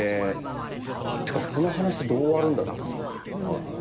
てかこの話どう終わるんだろうと思って。